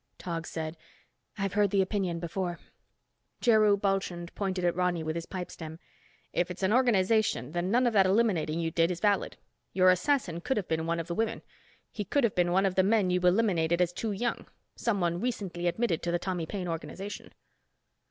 Tog said, "I've heard the opinion before." Jheru Bulchand pointed at Ronny with his pipe stem. "If its an organization, then none of that eliminating you did is valid. Your assassin could have been one of the women. He could have been one of the men you eliminated as too young—someone recently admitted to the Tommy Paine organization."